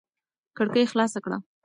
کړکۍ خلاصه کړه.